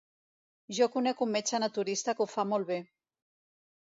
Jo conec un metge naturista que ho fa molt bé.